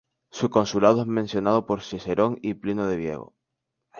Su consulado es mencionado por Cicerón y Plinio el Viejo.